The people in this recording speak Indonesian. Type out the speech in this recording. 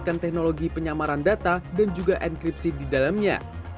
menggunakan teknologi penyamaran data dan juga enkripsi di dalamnya